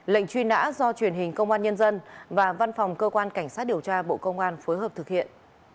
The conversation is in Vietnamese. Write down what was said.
lệnh truy nã do truyền hình công an nhân dân và văn phòng cơ quan cảnh sát điều tra bộ công an phối hợp thực hiện